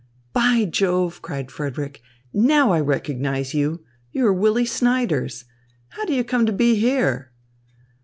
"By Jove," cried Frederick, "now I recognise you. You are Willy Snyders. How do you come to be here?"